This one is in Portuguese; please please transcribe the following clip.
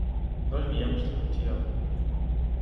Nós viemos de Utiel.